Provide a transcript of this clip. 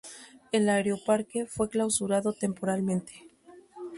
El Aeroparque fue clausurado temporalmente.